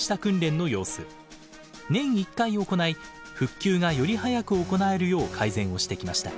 年一回行い復旧がより早く行えるよう改善をしてきました。